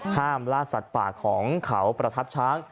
ห้ามลาสัตว์ปากของเขาประทับชั้น